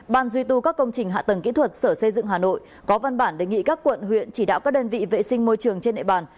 ban duy tu các công trình hạ tầng kỹ thuật sở xây dựng hà nội có văn bản đề nghị các quận huyện chỉ đạo các đơn vị vệ sinh môi trường trên nệ bàn